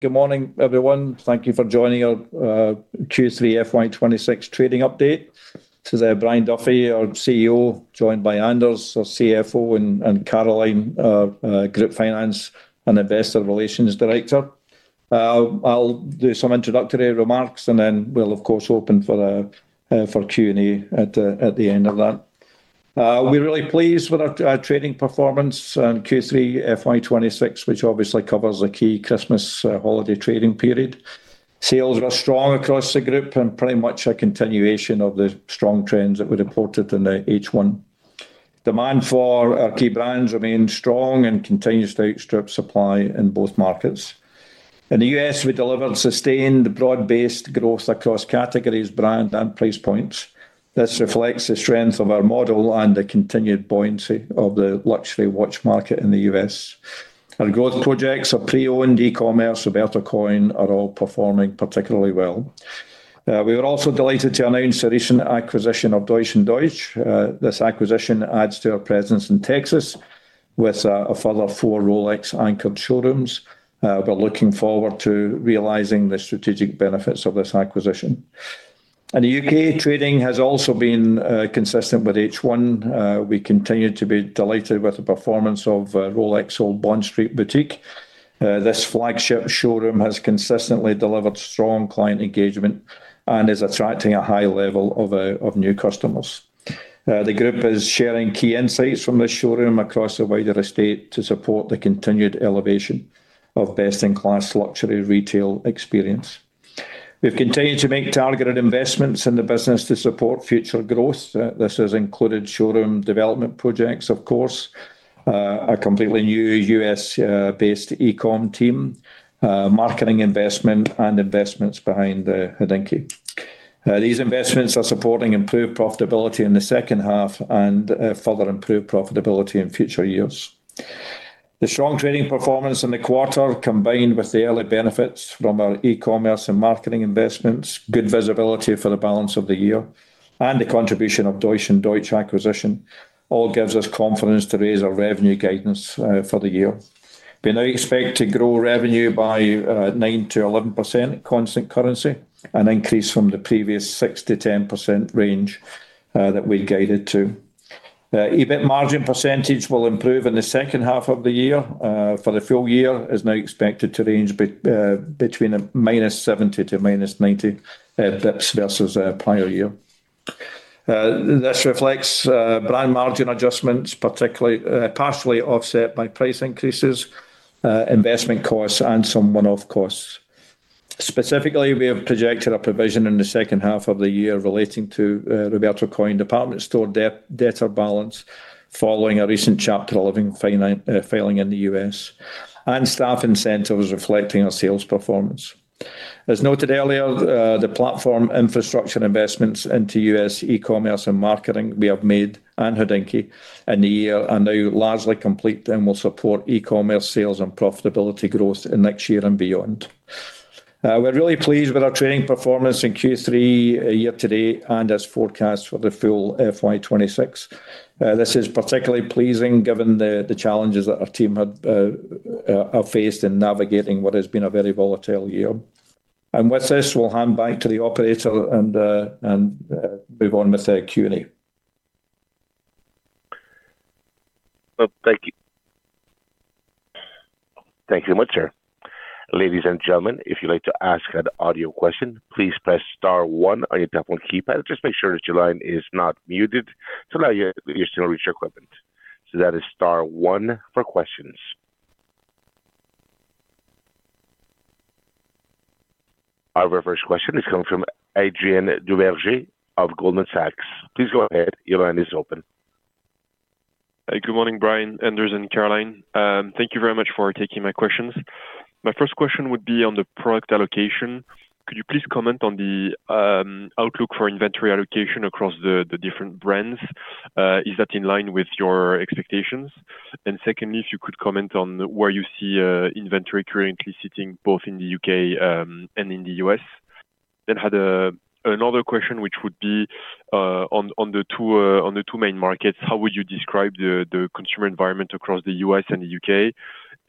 Good morning, everyone. Thank you for joining our Q3 FY26 trading update. This is Brian Duffy, our CEO, joined by Anders, our CFO, and Caroline, Group Finance and Investor Relations Director. I'll do some introductory remarks, and then we'll, of course, open for the Q&A at the end of that. We're really pleased with our trading performance in Q3 FY26, which obviously covers the key Christmas holiday trading period. Sales were strong across the group and pretty much a continuation of the strong trends that we reported in the H1. Demand for our key brands remains strong and continues to outstrip supply in both markets. In the US, we delivered sustained broad-based growth across categories, brand, and price points. This reflects the strength of our model and the continued buoyancy of the luxury watch market in the U.S. Our growth projects are pre-owned, e-commerce, Roberto Coin are all performing particularly well. We were also delighted to announce the recent acquisition of Deutsch & Deutsch. This acquisition adds to our presence in Texas with a further four Rolex anchored showrooms. We're looking forward to realizing the strategic benefits of this acquisition. In the U.K., trading has also been consistent with H1. We continue to be delighted with the performance of Rolex Old Bond Street boutique. This flagship showroom has consistently delivered strong client engagement and is attracting a high level of new customers. The group is sharing key insights from the showroom across the wider estate to support the continued elevation of best-in-class luxury retail experience. We've continued to make targeted investments in the business to support future growth. This has included showroom development projects, of course, a completely new U.S.-based e-com team, marketing investment, and investments behind Hodinkee. These investments are supporting improved profitability in the second half and, further improved profitability in future years. The strong trading performance in the quarter, combined with the early benefits from our e-commerce and marketing investments, good visibility for the balance of the year, and the contribution of Deutsch & Deutsch acquisition, all gives us confidence to raise our revenue guidance, for the year. We now expect to grow revenue by, 9%-11% constant currency, an increase from the previous 6%-10% range, that we guided to. EBIT margin percentage will improve in the second half of the year, for the full year is now expected to range between -70 to -90 BPS versus prior year. This reflects brand margin adjustments, particularly partially offset by price increases, investment costs, and some one-off costs. Specifically, we have projected a provision in the second half of the year relating to Roberto Coin department store debtor balance following a recent Chapter 11 filing in the US, and staff incentives reflecting our sales performance. As noted earlier, the platform infrastructure investments into US e-commerce and marketing we have made and Hodinkee in the year are now largely complete and will support e-commerce sales and profitability growth in next year and beyond. We're really pleased with our trading performance in Q3, year to date, and as forecast for the full FY26. This is particularly pleasing given the challenges that our team had, are faced in navigating what has been a very volatile year. And with this, we'll hand back to the operator and move on with the Q&A. Well, thank you. Thank you very much, sir. Ladies and gentlemen, if you'd like to ask an audio question, please press star one on your telephone keypad. Just make sure that your line is not muted to allow your signal reach our equipment. So that is star one for questions. Our very first question is coming from Adrien Duverger of Goldman Sachs. Please go ahead. Your line is open. Hey, good morning, Brian, Anders, and Caroline. Thank you very much for taking my questions. My first question would be on the product allocation. Could you please comment on the outlook for inventory allocation across the different brands? Is that in line with your expectations? And secondly, if you could comment on where you see inventory currently sitting, both in the U.K. and in the U.S. Then I had another question, which would be on the two main markets. How would you describe the consumer environment across the U.S. and the U.K.?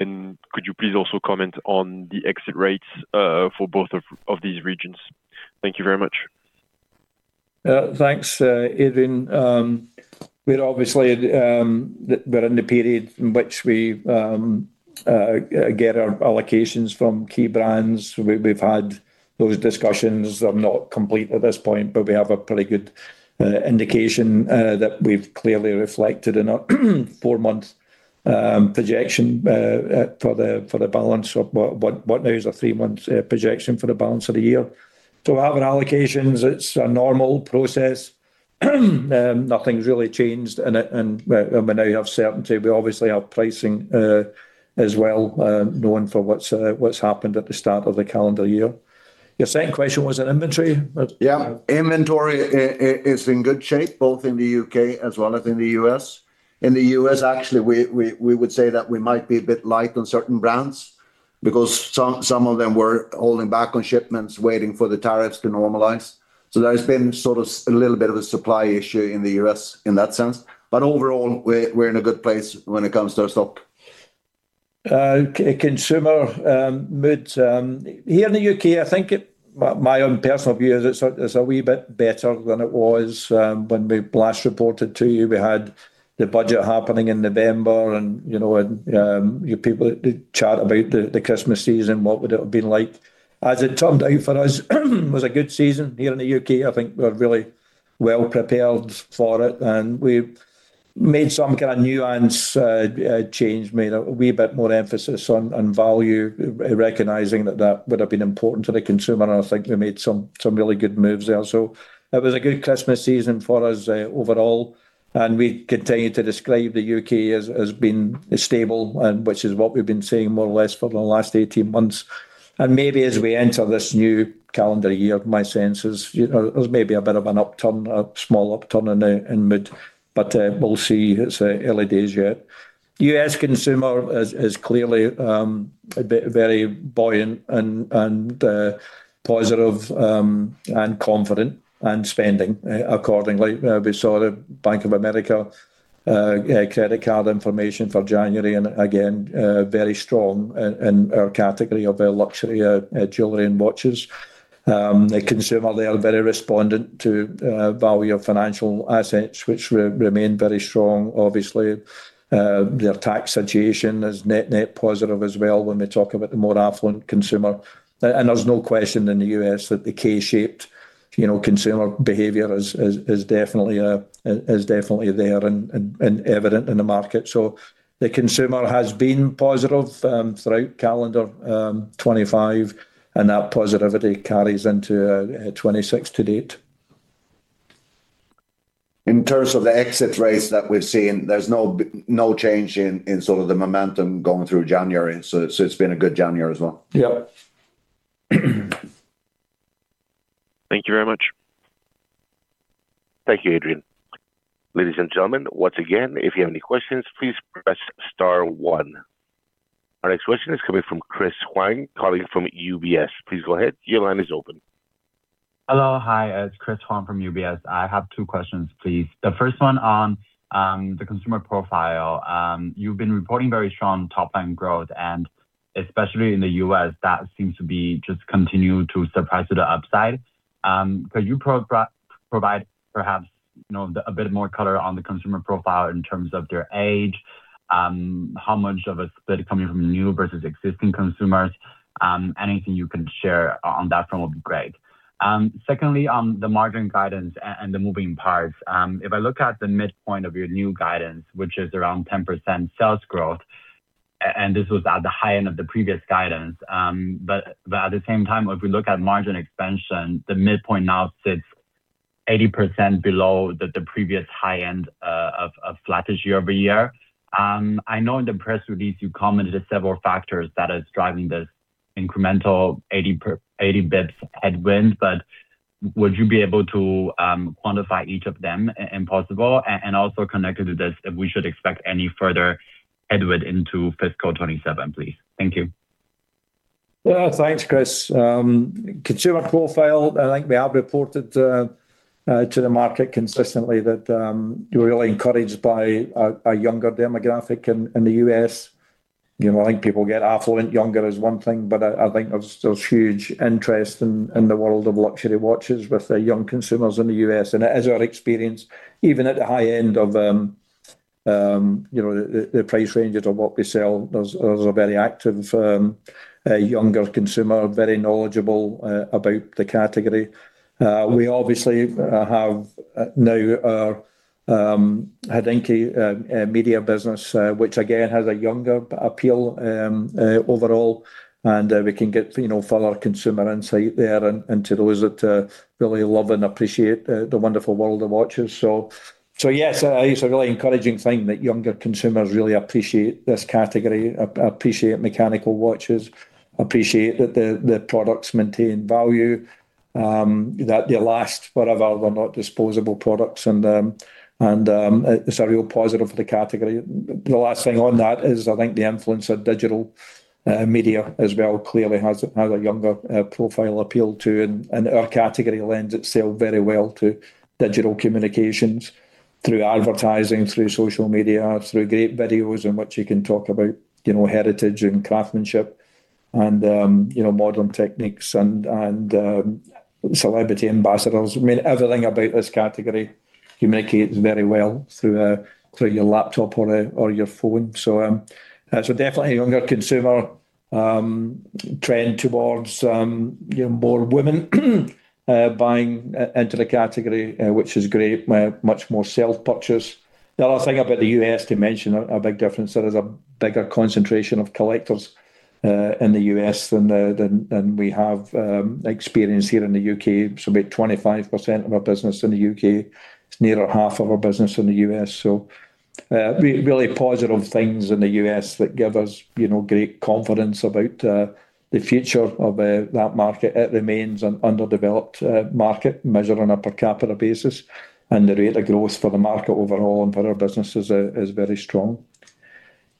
And could you please also comment on the exit rates for both of these regions? Thank you very much. Thanks, Adrien. We're obviously in the period in which we get our allocations from key brands. We've had those discussions are not complete at this point, but we have a pretty good indication that we've clearly reflected in our four-month projection for the balance of what now is a three-month projection for the balance of the year. So our allocations, it's a normal process. Nothing's really changed, and we now have certainty. We obviously have pricing as well known for what's happened at the start of the calendar year. Your second question was on inventory? Yeah. Inventory is in good shape, both in the UK as well as in the US. In the US, actually, we would say that we might be a bit light on certain brands because some of them were holding back on shipments, waiting for the tariffs to normalize. So there's been sort of a little bit of a supply issue in the US in that sense, but overall, we're in a good place when it comes to our stock.... Consumer mood here in the UK, I think it, my own personal view is it's a wee bit better than it was when we last reported to you. We had the budget happening in November, and, you know, you people chat about the Christmas season, what would it have been like? As it turned out for us, was a good season here in the UK. I think we are really well prepared for it, and we made some kind of nuance change, made a wee bit more emphasis on value, recognizing that that would have been important to the consumer, and I think we made some really good moves there. So it was a good Christmas season for us, overall, and we continue to describe the U.K. as being stable, and which is what we've been saying more or less for the last 18 months. And maybe as we enter this new calendar year, my sense is, you know, there's maybe a bit of an upturn, a small upturn in the mood, but we'll see. It's early days yet. U.S. consumer is clearly a bit very buoyant and positive and confident and spending accordingly. We saw the Bank of America credit card information for January, and again very strong in our category of luxury jewelry and watches. The consumer, they are very responsive to value of financial assets, which remain very strong. Obviously, their tax situation is net, net positive as well when we talk about the more affluent consumer. And there's no question in the US that the K-shaped, you know, consumer behavior is definitely there and evident in the market. So the consumer has been positive throughout calendar 2025, and that positivity carries into 2026 to date. In terms of the exit rates that we've seen, there's no change in sort of the momentum going through January, so it's been a good January as well. Yep. Thank you very much. Thank you, Adrien. Ladies and gentlemen, once again, if you have any questions, please press star one. Our next question is coming from Chris Huang, calling from UBS. Please go ahead. Your line is open. Hello. Hi, it's Chris Huang from UBS. I have two questions, please. The first one on the consumer profile. You've been reporting very strong top-line growth, and especially in the U.S., that seems to be just continuing to surprise to the upside. Could you provide perhaps, you know, a bit more color on the consumer profile in terms of their age, how much of it is coming from new versus existing consumers? Anything you can share on that front would be great. Secondly, on the margin guidance and the moving parts, if I look at the midpoint of your new guidance, which is around 10% sales growth, and this was at the high end of the previous guidance, but at the same time, if we look at margin expansion, the midpoint now sits 80% below the previous high end of flattish year-over-year. I know in the press release, you commented on several factors that is driving this incremental 80 basis points headwind, but would you be able to quantify each of them, if possible? And also connected to this, if we should expect any further headwind into fiscal 2027, please. Thank you. Well, thanks, Chris. Consumer profile, I think we have reported to the market consistently that we're really encouraged by a younger demographic in the U.S. You know, I think people get affluent younger is one thing, but I think there's huge interest in the world of luxury watches with the young consumers in the U.S. And as our experience, even at the high end of you know, the price ranges of what we sell, there's a very active younger consumer, very knowledgeable about the category. We obviously have now our Hodinkee media business, which again, has a younger appeal overall, and we can get, you know, further consumer insight there and into those that really love and appreciate the wonderful world of watches. So yes, it's a really encouraging thing that younger consumers really appreciate this category, appreciate mechanical watches, appreciate that the products maintain value, that they last forever. They're not disposable products, and it's a real positive for the category. The last thing on that is, I think the influence of digital media as well clearly has a younger profile appeal to, and our category lends itself very well to digital communications through advertising, through social media, through great videos, in which you can talk about, you know, heritage and craftsmanship and, you know, modern techniques and celebrity ambassadors. I mean, everything about this category communicates very well through your laptop or your phone. So, definitely a younger consumer trend towards, you know, more women buying into the category, which is great. Much more self-purchase. The last thing about the U.S. to mention a big difference, there is a bigger concentration of collectors in the U.S. than we have experience here in the U.K. So about 25% of our business in the U.K., it's nearer half of our business in the U.S. So, really positive things in the U.S. that give us, you know, great confidence about the future of that market. It remains an underdeveloped market, measured on a per capita basis, and the rate of growth for the market overall and for our business is very strong.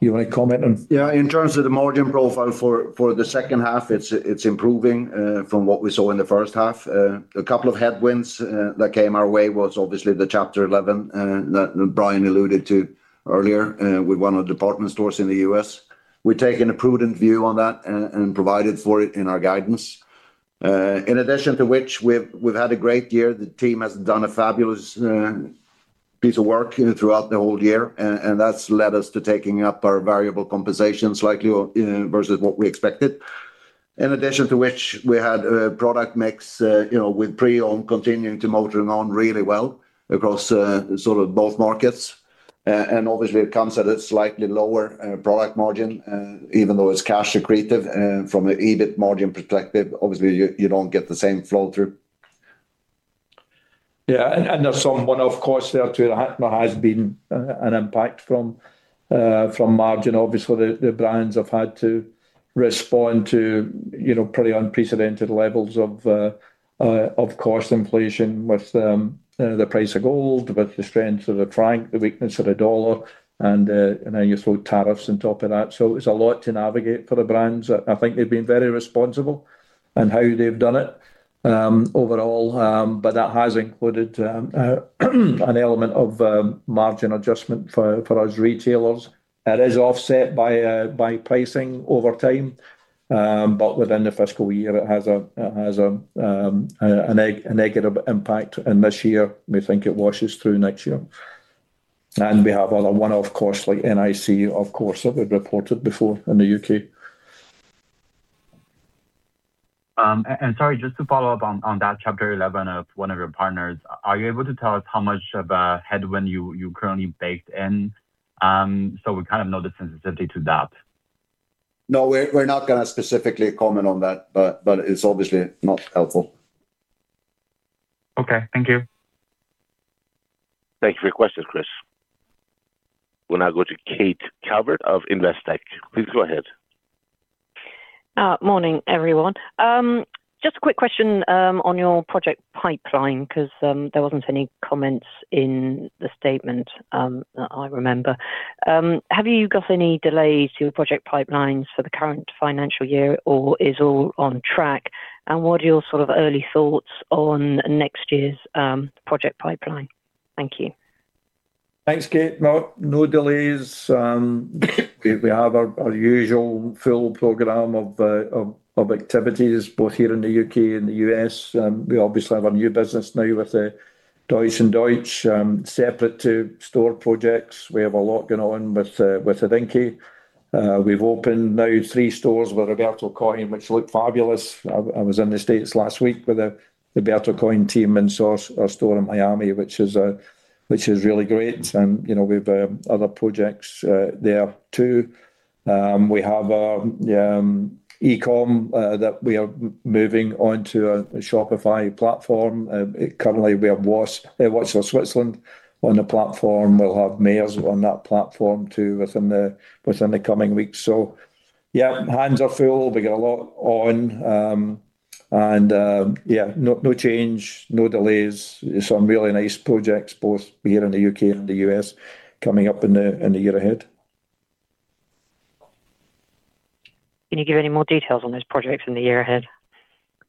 You want to comment on? Yeah, in terms of the margin profile for the second half, it's improving from what we saw in the first half. A couple of headwinds that came our way was obviously the Chapter 11 that Brian alluded to earlier with one of the department stores in the US. We've taken a prudent view on that and provided for it in our guidance. In addition to which we've had a great year. The team has done a fabulous piece of work throughout the whole year, and that's led us to taking up our variable compensation slightly versus what we expected. In addition to which, we had a product mix, you know, with pre-owned continuing to motoring on really well across sort of both markets. Obviously, it comes at a slightly lower product margin, even though it's cash accretive. From an EBIT margin perspective, obviously, you don't get the same flow through. Yeah, and there's someone, of course, there too. There has been an impact from margin. Obviously, the brands have had to respond to, you know, pretty unprecedented levels of cost inflation with the price of gold, with the strength of the franc, the weakness of the dollar, and now you throw tariffs on top of that. So it's a lot to navigate for the brands. I think they've been very responsible in how they've done it, overall, but that has included an element of margin adjustment for us retailers. That is offset by pricing over time, but within the fiscal year, it has a negative impact in this year. We think it washes through next year. We have other one-off costs, like NIC, of course, that we've reported before in the U.K. Sorry, just to follow up on that Chapter 11 of one of your partners. Are you able to tell us how much of a headwind you currently baked in, so we kind of know the sensitivity to that? No, we're not gonna specifically comment on that, but it's obviously not helpful. Okay, thank you. Thank you for your question, Chris. We'll now go to Kate Calvert of Investec. Please go ahead. Morning, everyone. Just a quick question on your project pipeline, 'cause there wasn't any comments in the statement that I remember. Have you got any delays to your project pipelines for the current financial year, or is all on track? And what are your sort of early thoughts on next year's project pipeline? Thank you. Thanks, Kate. No, no delays. We have our usual full program of activities, both here in the U.K. and the U.S. We obviously have a new business now with the Deutsch & Deutsch, separate to store projects. We have a lot going on with Audemars. We've opened now three stores with Roberto Coin, which look fabulous. I was in the States last week with the Roberto Coin team and saw our store in Miami, which is really great. You know, we've other projects there, too. We have our e-com that we are moving onto a Shopify platform. Currently, we have Watches of Switzerland on the platform. We'll have Mayors on that platform, too, within the coming weeks. So yeah, hands are full. We got a lot on, yeah, no change, no delays. Some really nice projects, both here in the UK and the US, coming up in the year ahead. Can you give any more details on those projects in the year ahead?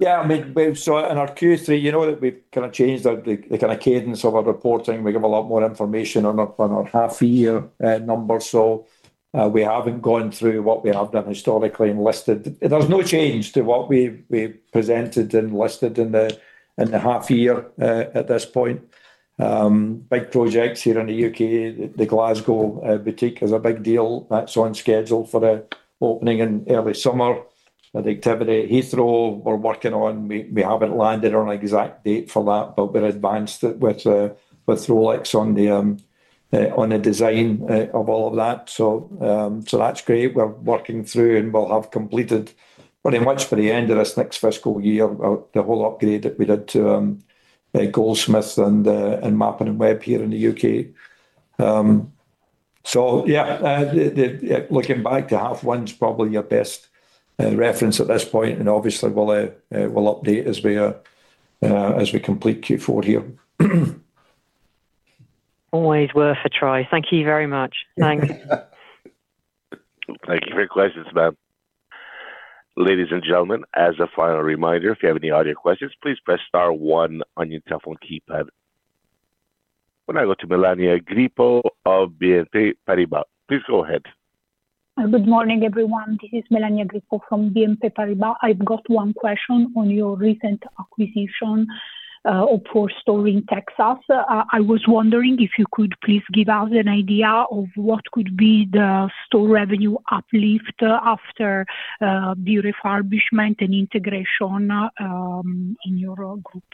Yeah, I mean, so in our Q3, you know, that we've kinda changed the kinda cadence of our reporting. We give a lot more information on our half year numbers, so we haven't gone through what we have done historically and listed. There's no change to what we presented and listed in the half year at this point. Big projects here in the U.K., the Glasgow boutique is a big deal. That's on schedule for the opening in early summer. At activity at Heathrow, we're working on. We haven't landed on an exact date for that, but we're advanced with Rolex on the design of all of that. So that's great. We're working through, and we'll have completed pretty much for the end of this next fiscal year, the whole upgrade that we did to Goldsmiths and Mappin & Webb here in the UK. So yeah, looking back to half one's probably your best reference at this point, and obviously, we'll update as we complete Q4 here. Always worth a try. Thank you very much. Thanks. Thank you for your questions, ma'am. Ladies and gentlemen, as a final reminder, if you have any audio questions, please press star one on your telephone keypad. We'll now go to Melania Grippo of BNP Paribas. Please go ahead. Good morning, everyone. This is Melania Grippo from BNP Paribas. I've got one question on your recent acquisition of four stores in Texas. I was wondering if you could please give us an idea of what could be the store revenue uplift after the refurbishment and integration in your group?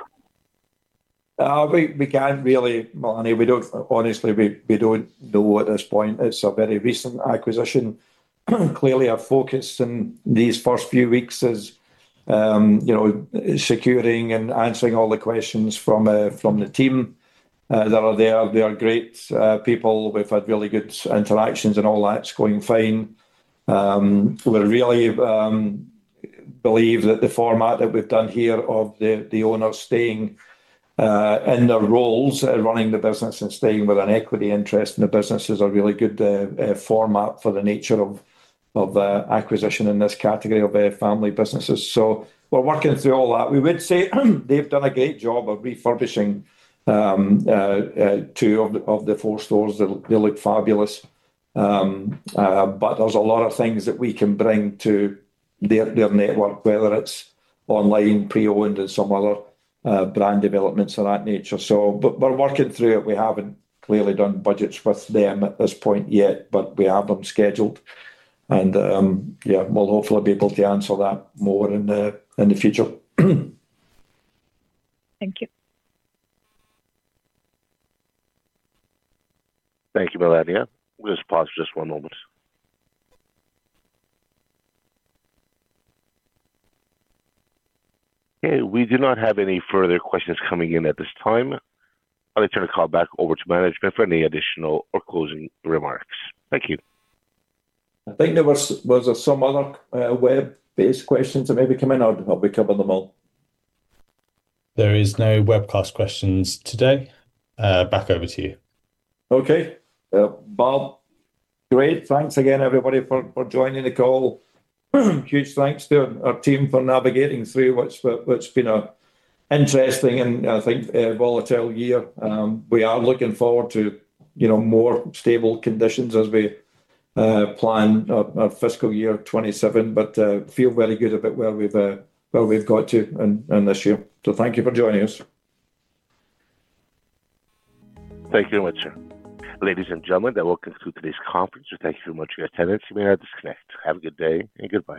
We can't really, Melania. We don't. Honestly, we don't know at this point. It's a very recent acquisition. Clearly, our focus in these first few weeks is, you know, securing and answering all the questions from the team that are there. They are great people. We've had really good interactions, and all that's going fine. We really believe that the format that we've done here of the owner staying in their roles running the business and staying with an equity interest in the business is a really good format for the nature of acquisition in this category of family businesses. So we're working through all that. We would say, they've done a great job of refurbishing two of the four stores. They look fabulous. But there's a lot of things that we can bring to their, their network, whether it's online, pre-owned, and some other brand developments of that nature. So, but we're working through it. We haven't clearly done budgets with them at this point yet, but we have them scheduled. And, yeah, we'll hopefully be able to answer that more in the, in the future. Thank you. Thank you, Melania. We'll just pause for just one moment. Okay, we do not have any further questions coming in at this time. I'll now turn the call back over to management for any additional or closing remarks. Thank you. I think there was some other web-based questions that may be coming out. I'll be covering them all. There is no webcast questions today. Back over to you. Okay. Bob. Great. Thanks again, everybody, for joining the call. Huge thanks to our team for navigating through what's been an interesting and, I think, a volatile year. We are looking forward to, you know, more stable conditions as we plan our fiscal year 2027, but feel very good about where we've got to in this year. So thank you for joining us. Thank you very much, sir. Ladies and gentlemen, that will conclude today's conference. So thank you so much for your attendance. You may now disconnect. Have a good day, and goodbye.